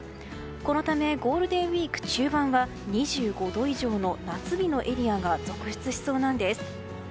このためゴールデンウィーク中盤は２５度以上の夏日のエリアが続出しそうなんです。